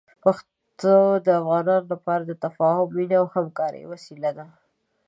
پښتو د افغانانو لپاره د تفاهم، مینې او همکارۍ وسیله ده.